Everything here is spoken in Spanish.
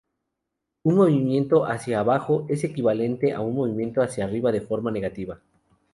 Un movimiento hacia abajo es equivalente a un movimiento hacia arriba de forma negativa.